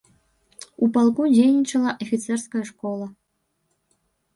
У палку дзейнічала афіцэрская школа.